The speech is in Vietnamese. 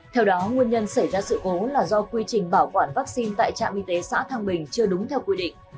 theo đó nguyên nhân xảy ra sự cố là do quy trình bảo quản vaccine tại trạm y tế xã thăng bình chưa đúng theo quy định